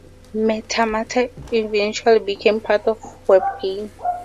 Metamata eventually became part of WebGain.